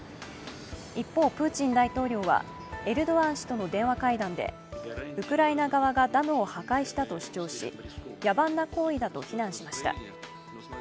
一方、プーチン大統領はエルドアン氏との電話会談でウクライナ側がダムを破壊したと主張し野蛮な行為だと非難しました。